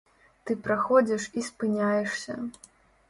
Ты праходзіш і спыняешся.